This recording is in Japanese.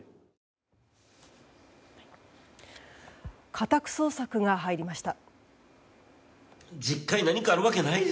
家宅捜索が入りました。